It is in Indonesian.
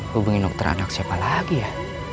hubungin dokter anak siapa lagi ya